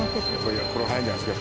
これが早いんじゃないですか？